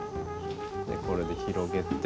これで広げて。